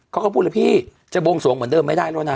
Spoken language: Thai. เขาก็พูดเลยพี่จะบวงสวงเหมือนเดิมไม่ได้แล้วนะ